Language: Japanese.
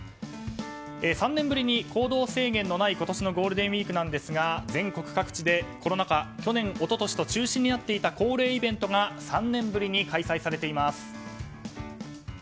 ３年ぶりに行動制限のない今年のゴールデンウィークなんですが全国各地でコロナ禍去年、一昨年と中止となっていた恒例イベントが３年ぶりに開催されています。